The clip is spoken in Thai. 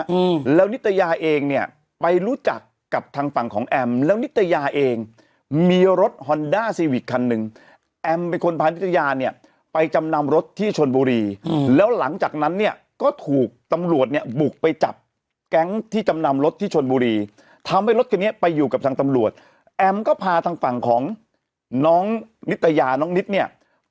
อืมแล้วนิตยาเองเนี่ยไปรู้จักกับทางฝั่งของแอมแล้วนิตยาเองมีรถฮอนด้าซีวิกคันหนึ่งแอมเป็นคนพานิตยาเนี่ยไปจำนำรถที่ชนบุรีอืมแล้วหลังจากนั้นเนี่ยก็ถูกตำรวจเนี่ยบุกไปจับแก๊งที่จำนำรถที่ชนบุรีทำให้รถคันนี้ไปอยู่กับทางตำรวจแอมก็พาทางฝั่งของน้องนิตยาน้องนิดเนี่ย